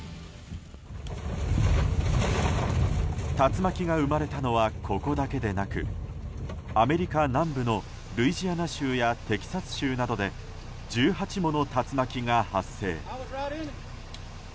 竜巻が生まれたのはここだけでなくアメリカ南部のルイジアナ州やテキサス州などで１８もの竜巻が発生。